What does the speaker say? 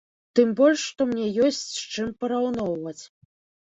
Тым больш, што мне ёсць з чым параўноўваць.